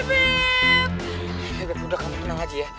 ini udah kamu tenang aja ya